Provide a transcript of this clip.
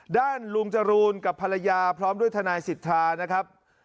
ลุงจรูนกับภรรยาพร้อมด้วยทนายสิทธานะครับ